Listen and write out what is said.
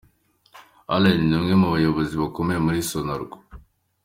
Allen ni umwe mu bayobozi bakomeye muri Sonarwa